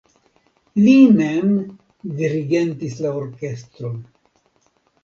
Li mem dirigentis la orkestron.